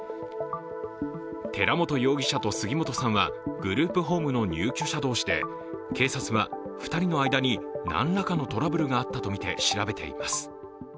寺本容疑者と杉本さんは、グループホームの入居者同士で警察は２人の間に何らかのトラブルがあったみて調べています。